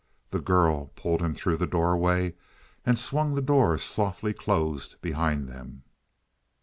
The girl pulled him through the doorway, and swung the door softly closed behind them.